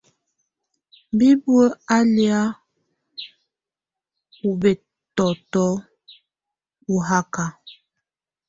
Bibuǝ́ á lɛ ɔ́ bɛtɔtɔ ɔ haka.